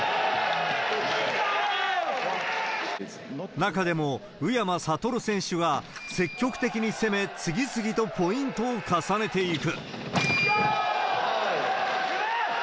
中でも、宇山賢選手は積極的に攻め、次々とポイントを重ねていく。